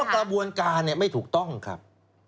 เพราะว่ากระบวนการไม่ถูกต้องครับ